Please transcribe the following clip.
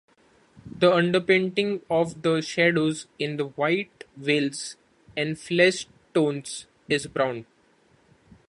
The underpainting of the shadows in the white veils and flesh tones is brown.